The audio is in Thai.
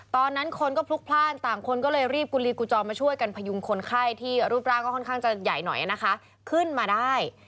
ตอนนั้นคนก็พลุกพลาดต่างคนก็เลยรีบกุลีกูจอมาช่วยกันพยุงคนไข้ที่รูปร่างก็ค่อนข้างจะใหญ่หน่อยนะคะขึ้นมาได้